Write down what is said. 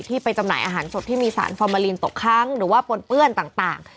ไปจำหน่ายอาหารสดที่มีสารฟอร์มาลีนตกค้างหรือว่าปนเปื้อนต่าง